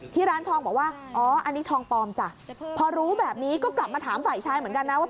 ร้านทองบอกว่าอ๋ออันนี้ทองปลอมจ้ะพอรู้แบบนี้ก็กลับมาถามฝ่ายชายเหมือนกันนะว่า